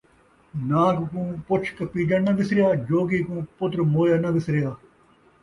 نان٘گ کوں پچھ کپیجݨ ناں وِسریا ، جوڳی کوں پتر مویا ناں وِسریا